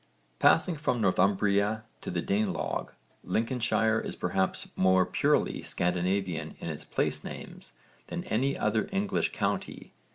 Passing from Northumbria to the Danelagh, Lincolnshire is perhaps more purely Scandinavian in its place names than any other English county.